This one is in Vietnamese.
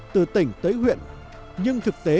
từ tỉnh tới huyện nhưng thực tế